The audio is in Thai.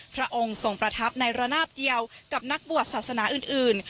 พระองค์ทรงประทับในระนาบเดียวกับนักบวชศาสนาอื่น